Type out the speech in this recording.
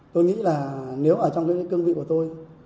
tôi nghĩ là nếu ở trong cái cương vị của tôi